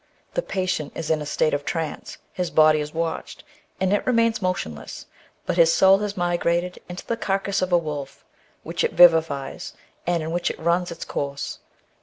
The patient is in a state of trance, his body is watched, and it remains motionless, but his soul has migrated into the carcase of a wolf, which it vivifies, and in which it runs its course.